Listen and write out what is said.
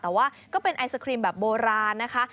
แต่ว่าก็เป็นไอศครีมแบบโบราณนะคะ